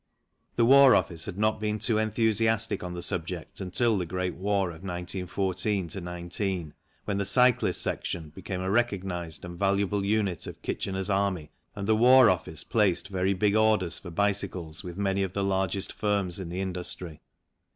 The War Office had not been too enthusiastic on the subject until the Great War of 1914 19, when the Cyclists' Section became a recognized and valuable unit of Kitchener's Army, and the War Office placed very big orders for bicycles with many of the largest firms in the industry.